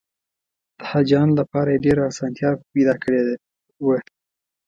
د حاجیانو لپاره یې ډېره اسانتیا پیدا کړې وه.